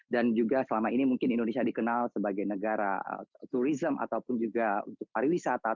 dan juga selama ini mungkin indonesia dikenal sebagai negara turisme ataupun juga para wisata